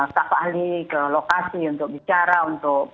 staf ahli ke lokasi untuk bicara untuk